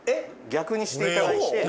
逆にしていただいて。